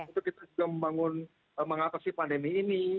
dan kemudian kita juga membangun mengatasi pandemi ini